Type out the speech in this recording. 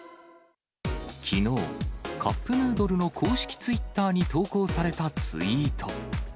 きのう、カップヌードルの公式ツイッターに投稿されたツイート。